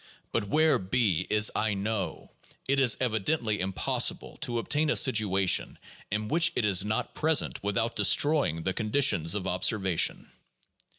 But where b is "I know," it is evidently impossible to obtain a situation in which it is not present without destroying the conditions of observation.